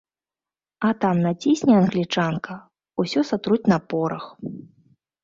А там націсне англічанка, усё сатруць на порах.